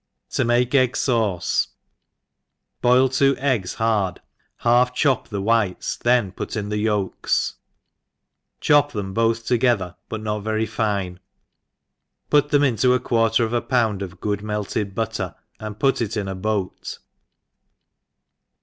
7i make Egg Sauce. BOIL two eggs hard, half chop the whites, then^ put in the yolks, chop them both toge ther, but notJi^ery fine, put them into a quarteir of a pound of good melted butter, and put it in a boat.